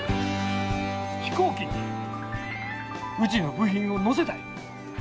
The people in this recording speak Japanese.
飛行機にうちの部品を乗せたい。